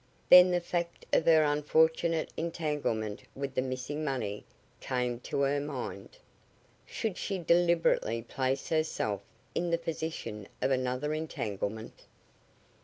Then the fact of her unfortunate entanglement with the missing money came to her mind. Should she deliberately place herself in the position of another entanglement?